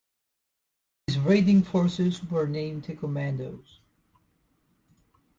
These raiding forces were named the commandos.